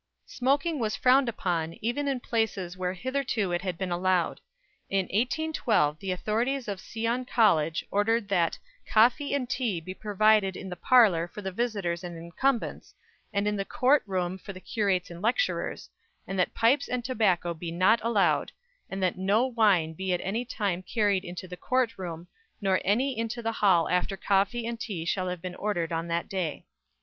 Smoking was frowned upon, even in places where hitherto it had been allowed. In 1812 the authorities of Sion College ordered "that Coffee and Tea be provided in the Parlour for the Visitors and Incumbents, and in the Court Room for the Curates and Lecturers; and that Pipes and Tobacco be not allowed; and that no Wine be at any time carried into the Court Room, nor any into the Hall after Coffee and Tea shall have been ordered on that day."